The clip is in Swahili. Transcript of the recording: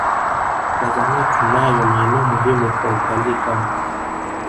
Tanzania tunayo maeneo muhimu kwa utalii kama